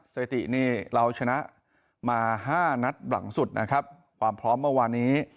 สถิตินี่เราชนะมา๕นัดหลังสุดนะครับความพร้อมเมื่อวานี้